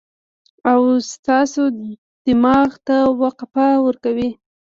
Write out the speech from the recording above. او ستاسو دماغ ته وقفه ورکوي